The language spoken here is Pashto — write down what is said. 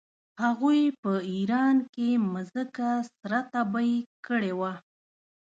هغوی په ایران کې مځکه سره تبې کړې وه.